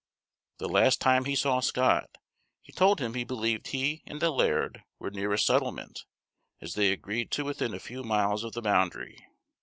The last time he saw Scott, he told him he believed he and the laird were near a settlement, as they agreed to within a few miles of the boundary.